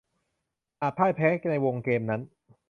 อาจพ่ายแพ้ในวงเกมนั้น